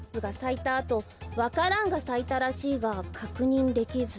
あとわか蘭がさいたらしいがかくにんできず」。